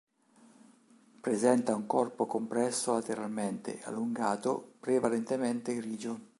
Presenta un corpo compresso lateralmente, allungato, prevalentemente grigio.